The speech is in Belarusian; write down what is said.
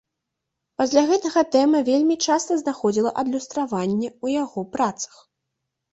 Пасля гэта тэма вельмі часта знаходзіла адлюстраванне ў яго працах.